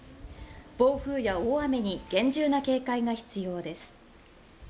暴風や大雨に厳重な警戒が必要です。